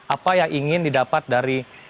apa yang ingin didapat dari